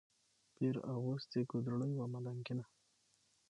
پیر اغوستې ګودړۍ وه ملنګینه